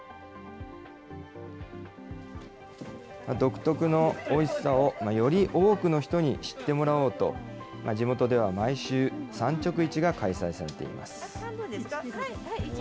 独特のおいしさをより多くの人に知ってもらおうと、地元では毎週、産直市が開催されています。